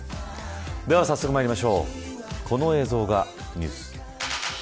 では早速まいりましょうこの映像がニュース。